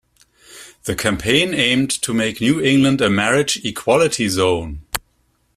The campaign aimed to make New England a marriage equality zone.